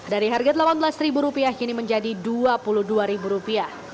dari harga rp delapan belas kini menjadi rp dua puluh dua